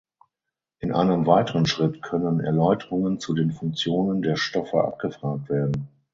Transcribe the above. In einem weiteren Schritt können Erläuterungen zu den Funktionen der Stoffe abgefragt werden.